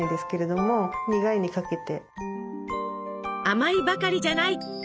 甘いばかりじゃない！